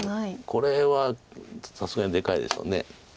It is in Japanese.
これはさすがにでかいでしょう。